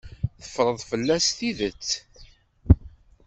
Teffreḍ fell-as tidet.